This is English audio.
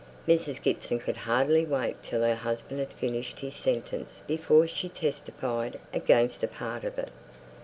Mrs. Gibson could hardly wait till her husband had finished his sentence before she testified against a part of it.